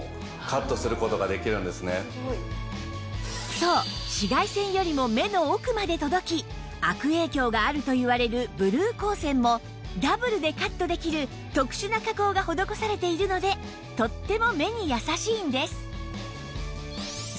そう紫外線よりも目の奥まで届き悪影響があるといわれるブルー光線もダブルでカットできる特殊な加工が施されているのでとっても目に優しいんです